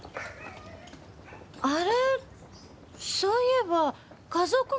あれそういえば和夫君